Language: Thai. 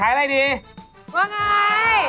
ต้องทำเป็นสามกษัตริย์นะ